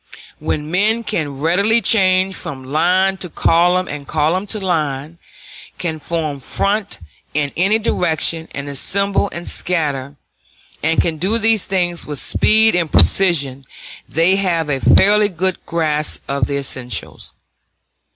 When men can readily change from line to column, and column to line, can form front in any direction, and assemble and scatter, and can do these things with speed and precision, they have a fairly good grasp of the essentials.